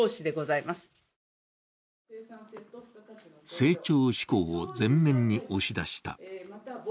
成長志向を前面に押し出した。